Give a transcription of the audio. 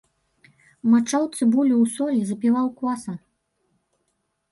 Мачаў цыбулю ў соль і запіваў квасам.